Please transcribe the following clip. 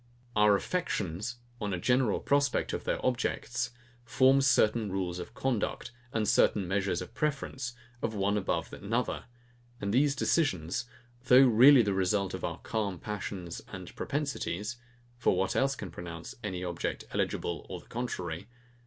Our affections, on a general prospect of their objects, form certain rules of conduct, and certain measures of preference of one above another: and these decisions, though really the result of our calm passions and propensities, (for what else can pronounce any object eligible or the contrary?)